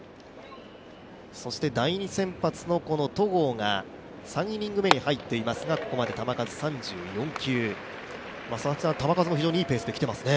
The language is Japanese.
そして第２先発の戸郷が、３イニング目に入っていますがここまで球数３４球、球数も非常にいいペースで来ていますね。